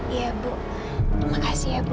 iya bu terima kasih ya bu